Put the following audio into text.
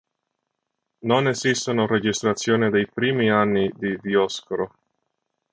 Non esistono registrazioni dei primi anni di Dioscoro.